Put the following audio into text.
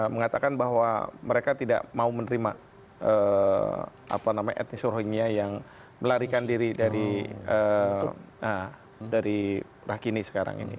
mengatakan bahwa mereka tidak mau menerima etnis rohingya yang melarikan diri dari rakini sekarang ini